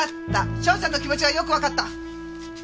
章ちゃんの気持ちはよくわかった。